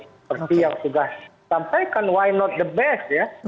seperti yang sudah disampaikan why not the best ya